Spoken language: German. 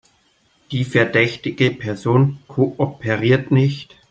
Die verdächtige Person kooperiert nicht.